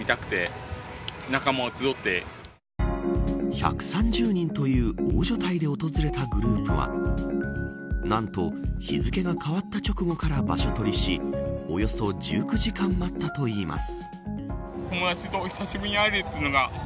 １３０人という大所帯で訪れたグループはなんと、日付が変わった直後から場所取りしおよそ１９時間待ったといいます。